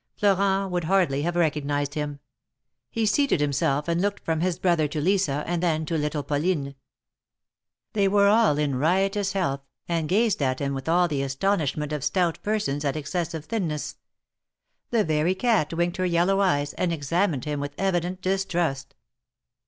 Florent would hardly have recognized him. He seated himself and looked from his brother to Lisa, and then to little Pauline. They were all in riotous health, and gazed at him with all the astonishment of stout persons at excessive thinness. The very cat winked her yellow eyes and examined him with evident distrust.